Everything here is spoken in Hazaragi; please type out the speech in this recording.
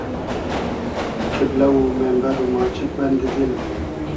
قیبلۂ و میمبئر و ماجید بئندی دیل